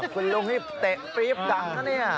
คุณลุงนี่เตะปรี๊บดังนะเนี่ย